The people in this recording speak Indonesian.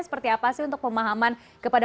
seperti apa sih untuk pemahaman kepada